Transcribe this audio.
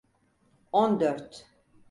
On dört.